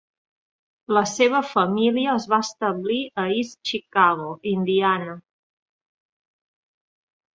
La seva família es va establir a East Chicago, Indiana.